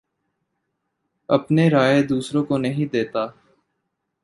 اپنے رائے دوسروں کے نہیں دیتا